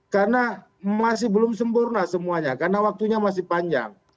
karena masih belum sempurna semuanya karena waktunya masih panjang